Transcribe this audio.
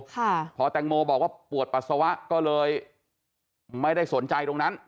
ค่ะพอแตงโมบอกว่าปวดปัสสาวะก็เลยไม่ได้สนใจตรงนั้น